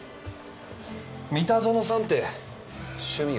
三田園さんって趣味は何？